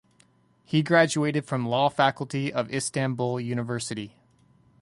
He graduated from law faculty of Istanbul University.